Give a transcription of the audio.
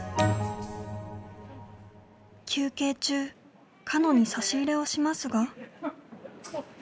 休憩中かのに差し入れをしますが。